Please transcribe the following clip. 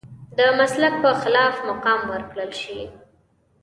د مسلک په خلاف مقام ورکړل شي.